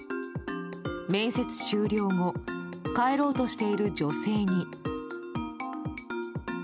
面接終了後帰ろうとしている女性に。